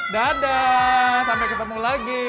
dadah sampai ketemu lagi